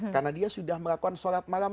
karena dia sudah melakukan sholat malam